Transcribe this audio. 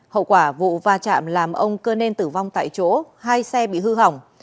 hậu quả vụ va chạm làm ông cơ nên tử vong tại chỗ hai xe bị hư hỏng